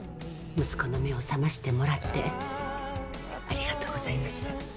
息子の目を覚ましてもらってありがとうございました。